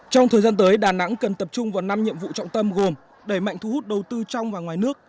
trong thời gian tới đà nẵng cần tập trung vào năm nhiệm vụ trọng tâm gồm đẩy mạnh thu hút đầu tư trong và ngoài nước